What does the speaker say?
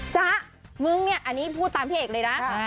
จ๊ะมึงเนี่ยอันนี้พูดตามพี่เอกเลยนะ